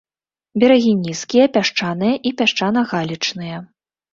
Берагі нізкія, пясчаныя і пясчана-галечныя.